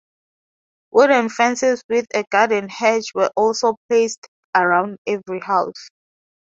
Wooden fences with a garden hedge were also placed around every house.